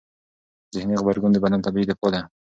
ذهني غبرګونونه د بدن طبیعي دفاع دی.